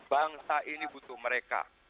bangsa ini butuh mereka